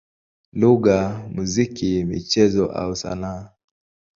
lugha, muziki, michezo au sanaa.